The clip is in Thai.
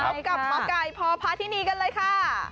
พบกับหมอไก่พพาธินีกันเลยค่ะ